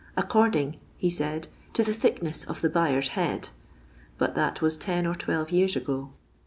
according," he said, " to the thickness of the buyer's head," but that was ten or twelve years ago.